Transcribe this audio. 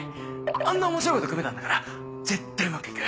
あんな面白い子と組めたんだから絶対うまくいく。